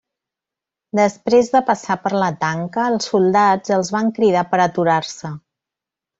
Després de passar per la tanca, els soldats els van cridar per aturar-se.